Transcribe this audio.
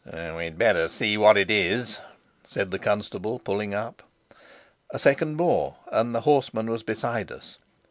"We had best see what it is," said the constable, pulling up. A second more, and the horseman was beside us.